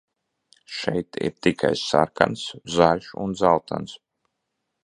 Šeit ir tikai sarkans, zaļš un dzeltens.